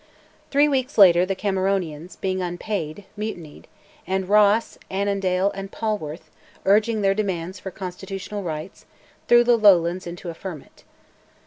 Three weeks later the Cameronians, being unpaid, mutinied; and Ross, Annandale, and Polwarth, urging their demands for constitutional rights, threw the Lowlands into a ferment.